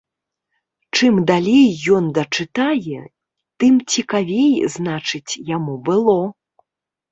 Чым далей ён дачытае, тым цікавей, значыць, яму было.